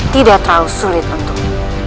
tidak terlalu sulit untukmu